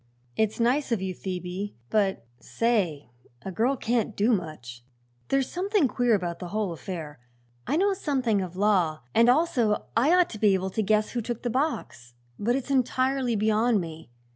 "It's nice of you, Phoebe; but, say a girl can't do much. There's something queer about the whole affair. I know something of law and also I ought to be able to guess who took the box; but it's entirely beyond me.